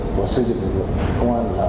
và xây dựng lực lượng công an nhân dân